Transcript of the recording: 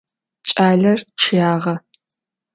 Ç'aler ççıyağe.